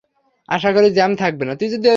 আশা করি জ্যাম থাকবে না।